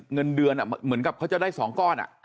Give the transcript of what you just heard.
เงินเดือนเหมือนกับเขาจะได้๒ก้อน